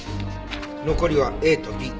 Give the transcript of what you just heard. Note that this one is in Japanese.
残りはＡとＢ。